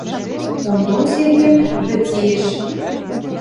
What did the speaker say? Онтон Сергем – вӹц иэш.